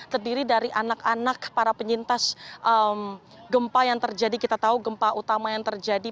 terdiri dari anak anak para penyintas gempa yang terjadi kita tahu gempa utama yang terjadi